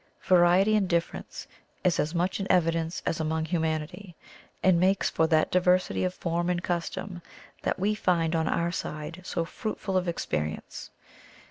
Variety and difference is as much in evidence as among humanity, and makes for that diversity of form and custom that we find on our side so fruitful of experience.